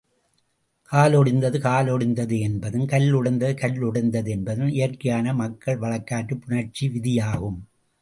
கால் ஒடிந்தது காலொடிந்தது என்பதும் கல் உடைந்தது கல்லுடைந்தது என்பதும் இயற்கையான மக்கள் வழக்காற்றுப் புணர்ச்சி விதியாகும்.